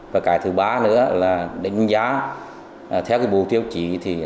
và cái thứ ba nữa là đánh giá theo bộ tiêu chí